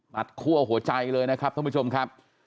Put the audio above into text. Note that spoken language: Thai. คั่วหัวใจเลยนะครับท่านผู้ชมครับ